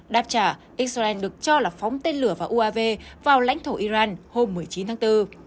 đáp trả israel được cho là phóng tên lửa vào uav vào lãnh thổ iran hôm một mươi chín tháng bốn